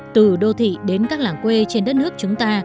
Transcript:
từ đô thị đến các làng quê trên đất nước chúng ta